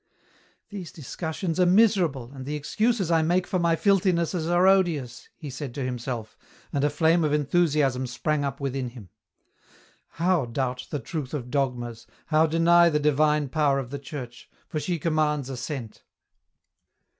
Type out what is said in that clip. " These discussions are miserable, and the excuses I make for my filthinesses are odious," he said to himself, and a flame of enthusiasm sprang up within him. How doubt the truth of dogmas, how deny the divine power of the Church, for she commands assent